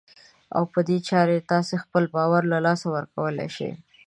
او په دې چارې تاسې خپل باور له لاسه ورکولای شئ.